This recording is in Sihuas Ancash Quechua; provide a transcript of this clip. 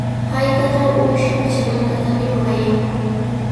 Hallqatraw uusha pachamankatami rurayan.